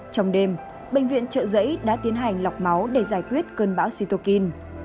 trong đêm bệnh viện trợ giấy đã tiến hành lọc máu để giải quyết cơn bão sitokin